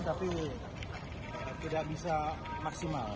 tapi tidak bisa maksimal